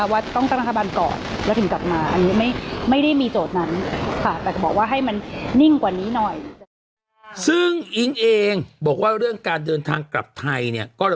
วัดท่านไม่ได้พูดว่าวัดต้องตั้งรัฐบาลก่อน